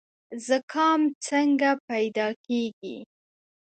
زکام څنګه پیدا کیږي؟